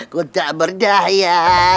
kutak berdah ya